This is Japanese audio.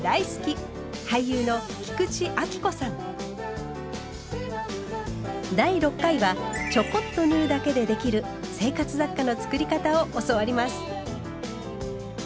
俳優の第６回はちょこっと縫うだけでできる生活雑貨の作り方を教わります。